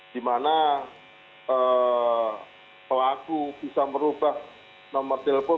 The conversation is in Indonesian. di mana pelaku bisa merubah nomor telepon